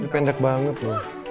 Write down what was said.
pendek banget loh